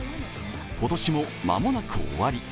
今年も、間もなく終わり。